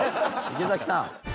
池崎さん。